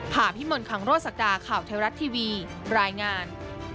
ผ่าพิมลคังโรสกาข่าวไทยรัฐทีวีรายงาน